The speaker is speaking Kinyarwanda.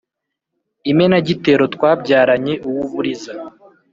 imenagitero twabyaranye uw’uburiza